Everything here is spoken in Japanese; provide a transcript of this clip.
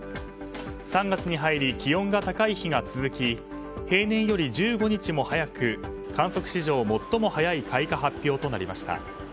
３月に入り気温が高い日が続き平年より１５日も早く観測史上最も早い開花発表となりました。